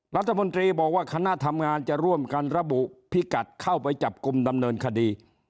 รัฐมนตรีบอกว่าคณะทำงานจะร่วมกันระบุพิกัดเข้าไปจับกลุ่มดำเนินคดี